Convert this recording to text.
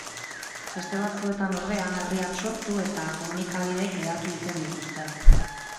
Beste batzuetan, ordea, herriak sortu eta komunikabideek hedatu egiten dituzte.